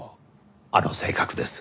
あの性格です。